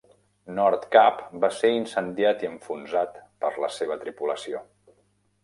"Nordkapp" va ser incendiat i enfonsat per la seva tripulació.